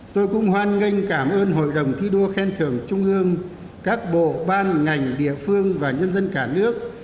tôi cũng hoan nghênh cảm ơn hội đồng thi đua khen thưởng trung ương các bộ ban ngành địa phương và nhân dân cả nước